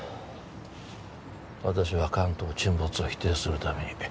私は関東沈没を否定するために